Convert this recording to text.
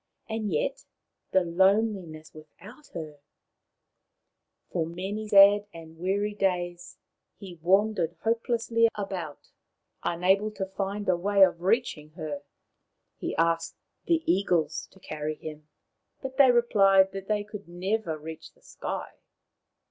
And yet, the loneliness without her ! For many sad and weary days he wandered hopelessly about, unable to find away of reaching her. He asked the eagles to carry him, but they replied that they could never reach the sky.